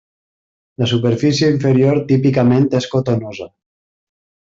La superfície inferior típicament és cotonosa.